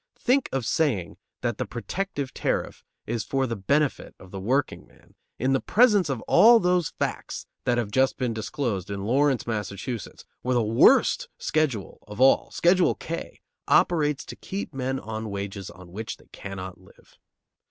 Think of saying that the "protective" tariff is for the benefit of the workingman, in the presence of all those facts that have just been disclosed in Lawrence, Mass., where the worst schedule of all "Schedule K" operates to keep men on wages on which they cannot live.